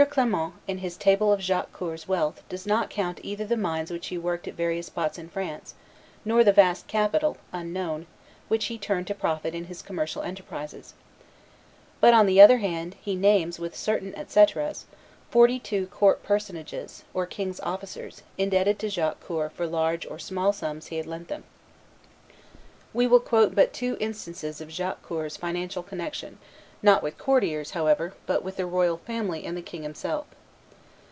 Clement, in his table of Jacques Coeur's wealth does not count either the mines which he worked at various spots in France, nor the vast capital, unknown, which he turned to profit in his commercial enterprises; but, on the other hand, he names, with certain et ceteras, forty two court personages, or king's officers, indebted to Jacques Coeur for large or small sums he had lent them. We will quote but two instances of Jacques Coeur's financial connection, not with courtiers, however, but with the royal family and the king himself.